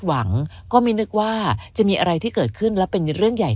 หวังก็ไม่นึกว่าจะมีอะไรที่เกิดขึ้นแล้วเป็นเรื่องใหญ่